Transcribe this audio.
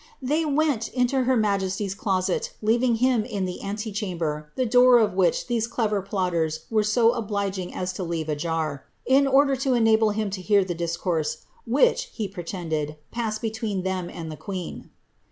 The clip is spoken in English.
^They went into her majesty's cloaet, learing him in the antochamber, the d(K>r of wliich these clever plotters were so obUgiogaa to leave ajar, in order to enable him to hear the discourse which, he pr^ tended, passed between them and the queen."